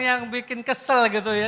yang bikin kesel gitu ya